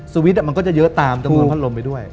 สวิตช์มันก็จะเยอะตามตรงนั้นพัดลมไปด้วย